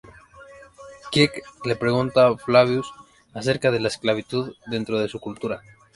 Kirk le pregunta a Flavius acerca de la esclavitud dentro de su cultura.